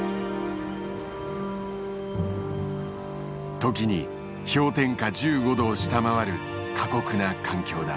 時に氷点下１５度を下回る過酷な環境だ。